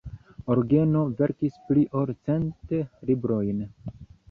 Origeno verkis pli ol cent librojn.